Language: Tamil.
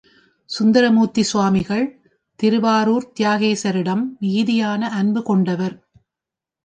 சுந்தரமூர்த்தி சுவாமிகள் திருவாரூர்த் தியாகேசரிடம் மிகுதியான அன்பு கொண்டவர்.